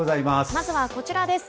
まずはこちらです。